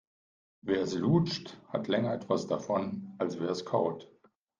Wer es lutscht, hat länger etwas davon, als wer es kaut.